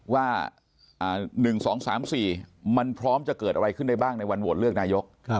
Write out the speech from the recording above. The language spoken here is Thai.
ว่า๑๒๓๔มันพร้อมจะเกิดอะไรขึ้นได้บ้างในวันโหวตเลือกนายก